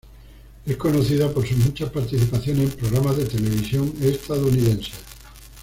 Es conocido por sus muchas participaciones en programas de televisión estadounidenses.